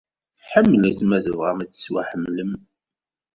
Ḥemmlet ma tebɣam ad tettwaḥemmlem!